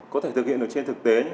có thể thực hiện ở trên thực tế